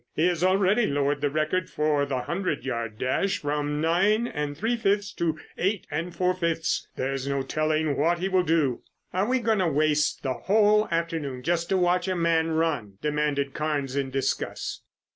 He has already lowered the record for the hundred yard dash from nine and three fifths to eight and four fifths. There is no telling what he will do." "Are we going to waste the whole afternoon just to watch a man run?" demanded Carnes in disgust.